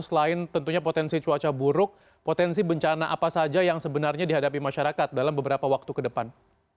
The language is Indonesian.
selain tentunya potensi cuaca buruk potensi bencana apa saja yang sebenarnya dihadapi masyarakat dalam beberapa waktu ke depan